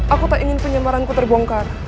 aku tak ingin penyebaranku terbongkar